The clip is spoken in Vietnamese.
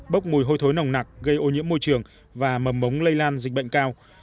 bốc mùi hôi thối nồng nặc gây ô nhiễm môi trường và mầm mống lây lan dịch bệnh cao